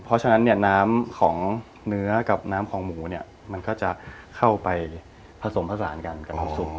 เพราะฉะนั้นเนี่ยน้ำของเนื้อกับน้ำของหมูเนี่ยมันก็จะเข้าไปผสมผสานกันกับผสม